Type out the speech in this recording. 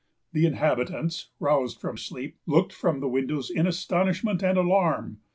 The inhabitants, roused from sleep, looked from the windows in astonishment and alarm.